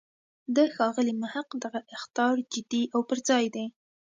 د ښاغلي محق دغه اخطار جدی او پر ځای دی.